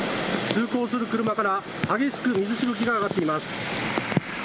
通行する車から激しく水しぶきが上がっています。